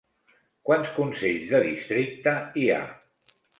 Quants consells de districte hi ha?